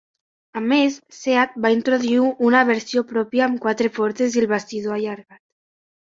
A més, Seat va introduir una versió pròpia amb quatre portes i el bastidor allargat.